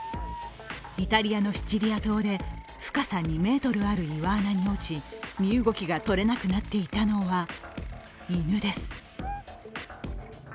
イタリアのシチリア島で深さ２ｍある岩穴に落ち身動きがとれなくなっていたのは犬です。